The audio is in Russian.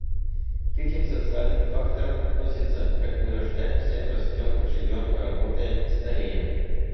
К этим социальным факторам относится: как мы рождаемся, растем, живем, работаем и стареем.